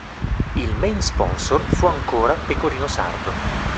Il main sponsor fu ancora Pecorino Sardo.